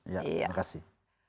iya terima kasih